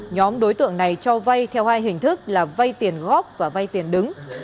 nhóm đối tượng này cho vay theo hai hình thức là vay tiền góp và vay tiền đứng